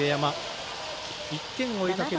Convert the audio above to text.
１点を追いかける